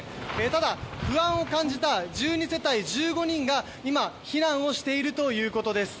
ただ、不安を感じた１２世帯１５人が今、避難をしているということです。